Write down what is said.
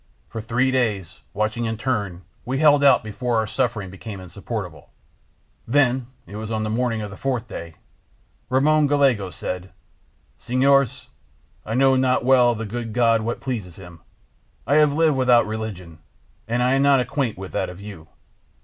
For three days, watching in turn, we held out before our suffering became insupportable. Then—it was the morning of the fourth day—Ramon Gallegos said: "'Senores, I know not well of the good God and what please him. I have live without religion, and I am not acquaint with that of you.